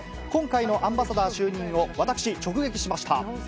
今回のアンバサダー就任を、私、直撃しました。